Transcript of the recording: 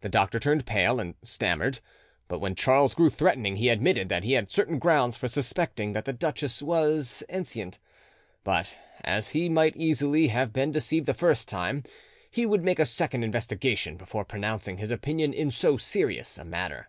The doctor turned pale and stammered; but when Charles grew threatening he admitted that he had certain grounds for suspecting that the duchess was enceinte, but as he might easily have been deceived the first time, he would make a second investigation before pronouncing his opinion in so serious a matter.